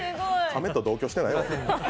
亀と同居してないわ。